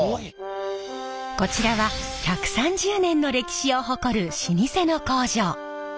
こちらは１３０年の歴史を誇る老舗の工場。